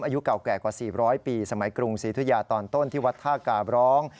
อายุเก่าแก่กว่า๔๐๐ปีสมัยกรุงศรีธุยาตอนต้นที่วัดท่ากาบร้อง